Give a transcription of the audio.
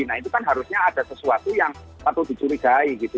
nah itu kan harusnya ada sesuatu yang patut dicurigai gitu